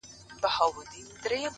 تـلاوت دي د ښايستو شعرو كومه”